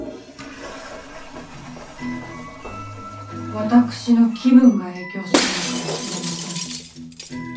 私の気分が影響するのかもしれません。